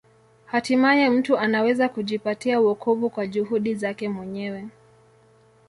Hatimaye mtu anaweza kujipatia wokovu kwa juhudi zake mwenyewe.